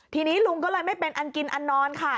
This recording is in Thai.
ทีนี้ลุงก็เลยไม่เป็นอันกินอันนอนค่ะ